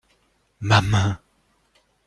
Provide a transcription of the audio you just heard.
Ma main.